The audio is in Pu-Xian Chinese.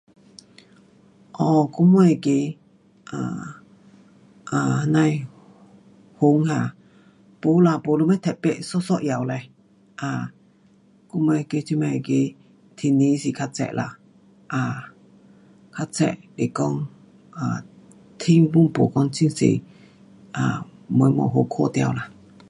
um 我们那个 um 啊，那呐的云啊，没啦，没什么特别，一一样嘞，啊，我们那个，这次那个，天气是较热啦，啊，较热是讲，啊，天 pun 没讲很多 um 什么云，没看到啦。啊，